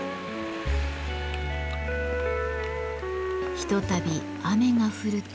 ひとたび雨が降ると。